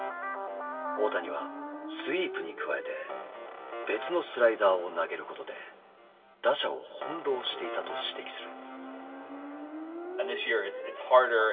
大谷はスイープに加えて別のスライダーを投げることで打者を翻弄していたと指摘する。